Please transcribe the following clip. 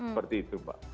seperti itu pak